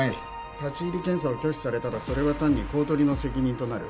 立入検査を拒否されたらそれは単に公取の責任となる。